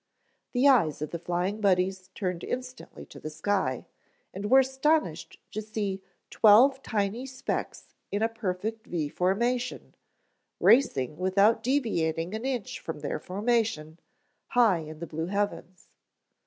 The eyes of the Flying Buddies turned instantly to the sky and were astonished to see twelve tiny specks in a perfect V formation, racing without deviating an inch from their formation, high in the blue heavens.